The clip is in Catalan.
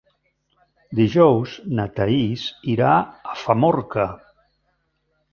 Dijous na Thaís irà a Famorca.